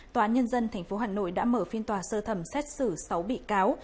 tòa án nhân dân tp hà nội đã mở phiên tòa sơ thẩm xét xử sáu bị cáo